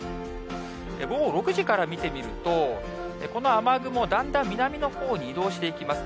午後６時から見てみると、この雨雲、だんだん南のほうに移動していきます。